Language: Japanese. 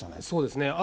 そうですね。